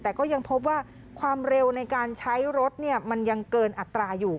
แต่ก็ยังพบว่าความเร็วในการใช้รถมันยังเกินอัตราอยู่